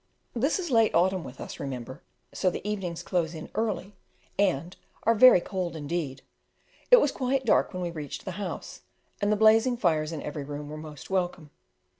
This is late autumn with us, remember, so the evenings close in early and, are very cold indeed. It was quite dark when we reached the house, and the blazing fires in every room were most welcome.